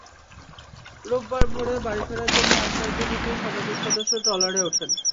রোববার ভোরে বাড়ি ফেরার জন্য আনসার ভিডিপির শতাধিক সদস্য ট্রলারে ওঠেন।